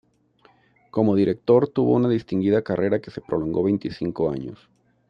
Como director, tuvo una distinguida carrera que se prolongó veinticinco años.